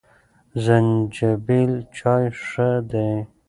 زنجبیل چای ښه دی.